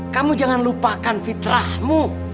kamu jangan lupakan fitrahmu